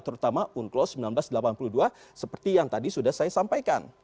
terutama unclos seribu sembilan ratus delapan puluh dua seperti yang tadi sudah saya sampaikan